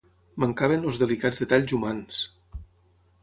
Mancaven els delicats detalls humans!